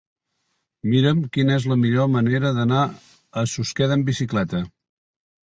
Mira'm quina és la millor manera d'anar a Susqueda amb bicicleta.